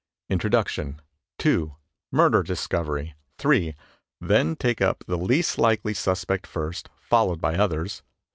Introduction. 2. Murder discovery. 3. Then take up the least likely suspect first, followed by others.